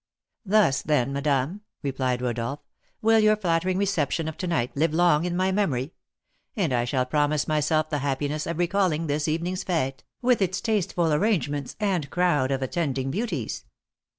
"Thus, then, madame," replied Rodolph, "will your flattering reception of to night live long in my memory; and I shall promise myself the happiness of recalling this evening's fête, with its tasteful arrangements and crowd of attending beauties.